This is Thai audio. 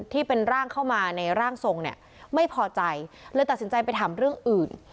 ที่เป็นร่างเข้ามาในร่างทรงเนี่ยไม่พอใจเลยตัดสินใจไปถามเรื่องอื่น